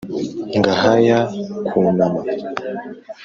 ngahaya kwunama.